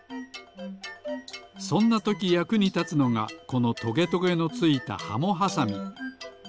そんなときやくにたつのがこのトゲトゲのついたハモはさみ。